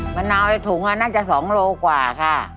มะนาวในถุงน่าจะ๒โลกว่าค่ะ